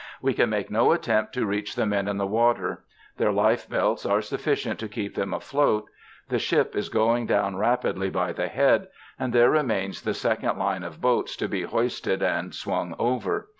We can make no attempt to reach the men in the water. Their life belts are sufficient to keep them afloat: the ship is going down rapidly by the head, and there remains the second line of boats to be hoisted and swung over.